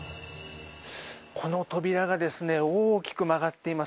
この扉が大きく曲がっています。